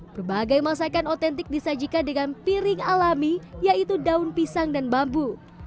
berbagai masakan otentik disajikan dengan piring alami yaitu daun pisang dan bambu